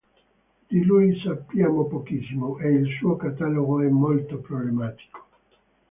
Di lui sappiamo pochissimo e il suo catalogo è molto problematico.